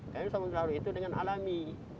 kami sawang di laut itu dengan alami